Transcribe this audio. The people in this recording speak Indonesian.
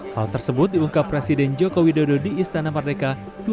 hal tersebut diungkap presiden joko widodo di istana parteka